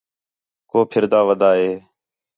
کُو پِھردا ودا ہے